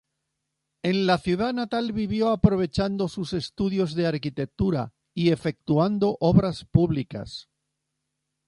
En la ciudad natal vivió aprovechando sus estudios de arquitectura y efectuando obras públicas.